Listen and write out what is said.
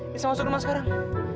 bisa masuk rumah sekarang